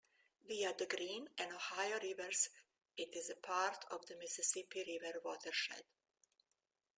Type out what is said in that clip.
Via the Green and Ohio rivers, it is part of the Mississippi River watershed.